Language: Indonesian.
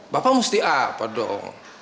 bapak mesti apa dong